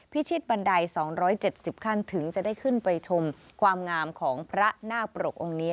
พิชิตบันได๒๗๐ขั้นถึงจะได้ขึ้นไปชมความงามของพระนาคปรกองค์นี้